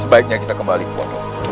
sebaiknya kita kembali ke pondok